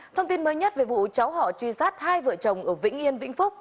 thông tin mới nhất về vụ cháu họ truy sát hai vợ chồng ở vĩnh yên vĩnh phúc